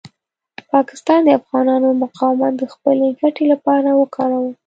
پاکستان د افغانانو مقاومت د خپلې ګټې لپاره وکاروه.